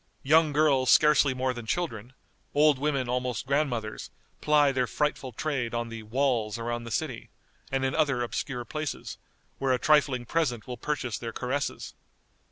Young girls scarcely more than children, old women almost grandmothers, ply their frightful trade on the "walls" around the city, and in other obscure places, where a trifling present will purchase their caresses.